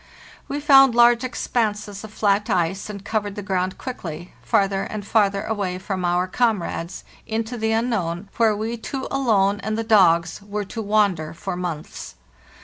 We found large expanses of flat ice, and covered the ground quickly, farther and farther away from our com rades, into the unknown, where we two alone and the dogs were to wander for months.